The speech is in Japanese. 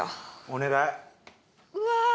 お願いうわあ